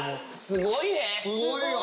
すごいよ！